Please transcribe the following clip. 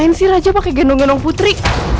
kenapa rajapakai gendong ranggun putri